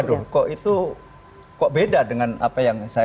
waduh kok itu beda dengan apa yang saya